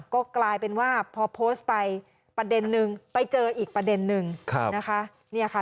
ก็กลายเป็นว่าพอโพสต์ไปประเด็นนึงไปเจออีกประเด็นนึงนะคะเนี่ยค่ะ